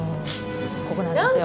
ここなんですよ。